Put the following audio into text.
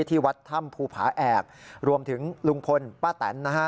ที่วัดถ้ำภูผาแอกรวมถึงลุงพลป้าแตนนะฮะ